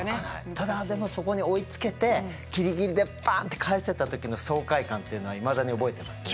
ただでもそこに追いつけてギリギリでパンッて返せた時の爽快感っていうのはいまだに覚えてますね。